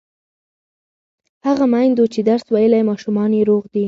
هغه میندو چې درس ویلی، ماشومان یې روغ دي.